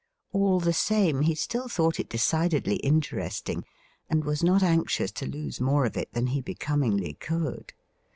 All the same, he still thought it decidedly interesting, and was not anxious to lose more of it than he becomingly could.